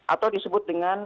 atau disebut dengan